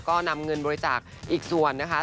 ก็นำเงินบริจาคอีกส่วนนะคะ